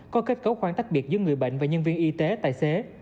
có kết cấu khoang tách biệt giữa người bệnh và nhân viên y tế tài xế